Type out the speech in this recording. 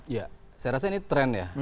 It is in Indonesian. ya saya rasa ini trend ya